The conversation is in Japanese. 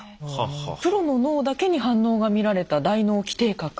プロの脳だけに反応が見られた大脳基底核。